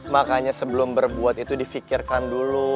makanya sebelum berbuat itu difikirkan dulu